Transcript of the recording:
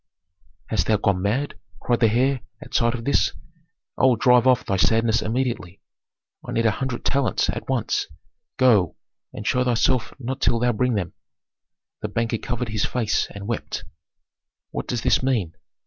"Hast thou gone mad?" cried the heir, at sight of this. "I will drive off thy sadness immediately. I need a hundred talents at once. Go, and show thyself not till thou bring them." The banker covered his face and wept. "What does this mean?"